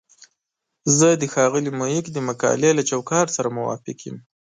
زه د ښاغلي محق د مقالې له چوکاټ سره موافق یم.